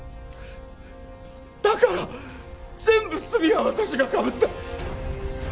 だから全部罪は私が被った！